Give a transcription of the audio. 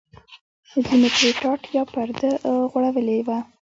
ځینو پرې ټاټ یا پرده غوړولې وه.